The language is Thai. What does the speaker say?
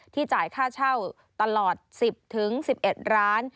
จ่ายค่าเช่าตลอด๑๐๑๑ร้าน